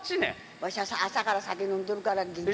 わしゃ、朝から酒飲んでるから。